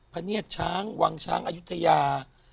พเนียดช้างวังช้างอายุทยา